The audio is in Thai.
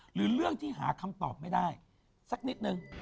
หรือเรื่องที่หาคำตอบไม่ได้สักนิดนึง